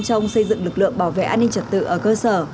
trong xây dựng lực lượng bảo vệ an ninh trật tự ở cơ sở